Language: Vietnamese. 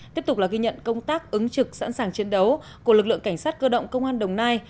tiếp tục là ghi nhận công tác ứng trực sẵn sàng chiến đấu của lực lượng cảnh sát cơ động công an đồng nai